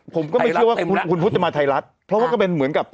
ผมก็ไม่เชื่อว่าคุณพุทธจะมาไทยรัฐเพราะว่าก็เป็นเหมือนกับ